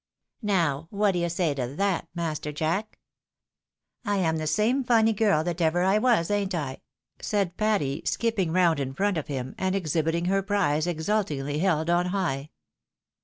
" Now ; what d'ye say to that, master Jack ? I am the same funny girl that ever I was, ain't I?" said Patty, skipping round in front of him, and exhibiting her prize exultingly held on high.